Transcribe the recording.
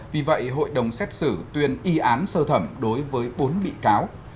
vì vậy hội đồng xét xử tuyên y án sơ thẩm đối với bốn bị cáo